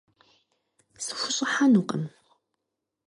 Схущӏыхьэнукъым.